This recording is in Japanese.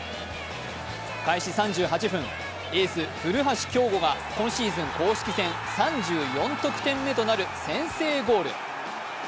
開始３８分、エース・古橋亨梧が今シーズン公式戦３４得点目となる先制ゴール。